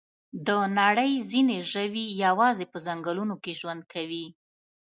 د نړۍ ځینې ژوي یوازې په ځنګلونو کې ژوند کوي.